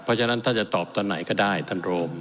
เพราะฉะนั้นถ้าจะตอบตอนไหนก็ได้ท่านโรม